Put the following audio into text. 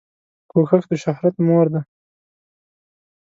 کوښښ دشهرت مور ده